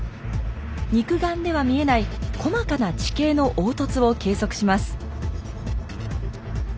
肉眼では見えない細かな地形の凹凸を計測します。